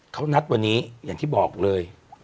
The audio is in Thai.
เขานัดวันนี้อย่างที่บอกเลย